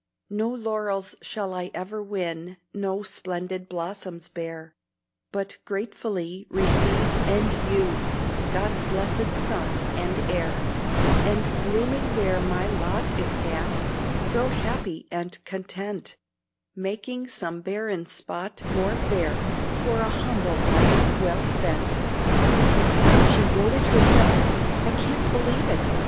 No laurels shall I ever win, No splendid blossoms bear, But gratefully receive and use God's blessed sun and air; And, blooming where my lot is cast, Grow happy and content, Making some barren spot more fair, For a humble life well spent. "She wrote it herself! I can't believe it!"